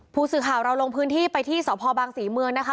ผู้สื่อข่าวเราลงพื้นที่ไปที่สพบางศรีเมืองนะคะ